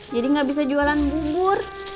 jadi gak bisa jualan bubur